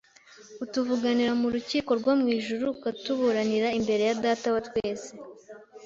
utuvuganira mu rukiko rwo mu ijuru, akatuburanira imbere ya Data wa twese.